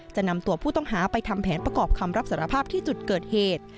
จะนำตัวผู้ต้องหาไปทำแผนประกอบคำรับสารภาพที่จุดเกิดเหตุ